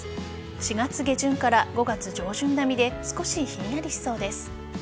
４月下旬から５月上旬並みで少しひんやりしそうです。